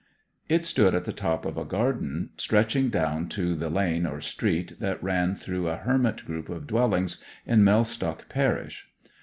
It stood at the top of a garden stretching down to the lane or street that ran through a hermit group of dwellings in Mellstock parish.